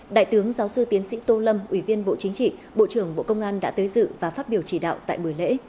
đại tướng giáo sư tiến sĩ tô lâm ủy viên bộ chính trị bộ trưởng bộ công an đã tới dự và phát biểu chỉ đạo tại buổi lễ